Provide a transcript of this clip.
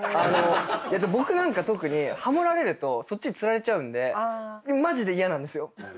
僕なんか特にハモられるとそっちに釣られちゃうんでマジで嫌なんですよ。